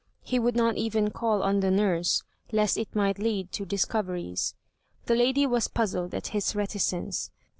He would not even call on the nurse, lest it might lead to discoveries. The lady was puzzled at his reticence.